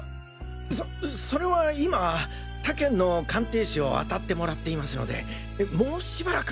そそれは今他県の鑑定士をあたってもらっていますのでもうしばらく。